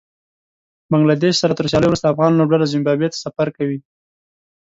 بنګله دېش سره تر سياليو وروسته افغان لوبډله زېمبابوې ته سفر کوي